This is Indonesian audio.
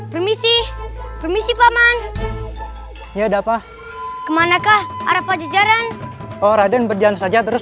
permisi permisi paman ya dapah ke manakah arah pajajaran orang dan berjalan saja terus